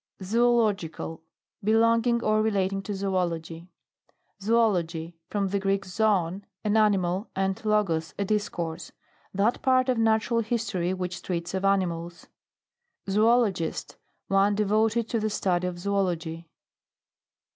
ZOOLOGICAL. Belonging or relating to zoology. ZOOLOGY. From the Greek, zdon, an animal, and logos, a discourse. That part of natural history which treats of animals. ZOOLOGIST. One devoted to the study of zoology.